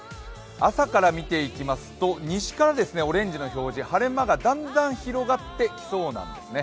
朝から見ていきますと西からオレンジの表示、晴れ間がだんだん広がってきそうなんですね。